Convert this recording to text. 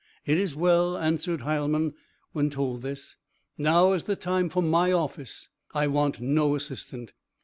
"It is well," answered Heilmann, when told this: "now is the time for my office; I want no assistant."